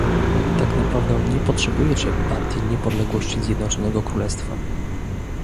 Tak naprawdę nie potrzebujecie Partii Niepodległości Zjednoczonego Królestwa